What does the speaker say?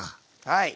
はい！